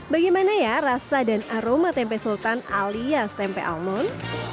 bagaimana ya rasa dan aroma tempe sultan alias tempe almond